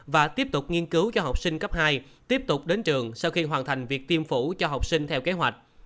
và tiếp tục nghiên cứu cho học sinh cấp hai tiếp tục đến trường sau khi hoàn thành việc tiêm phổ cho học sinh theo kế hoạch